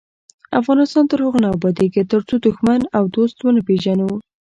افغانستان تر هغو نه ابادیږي، ترڅو دښمن او دوست ونه پیژنو.